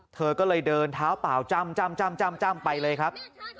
เธอก็เลยเดินเท้าเปล่าจ้ำไปเลยครับ